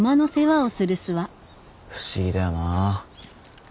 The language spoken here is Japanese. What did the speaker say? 不思議だよな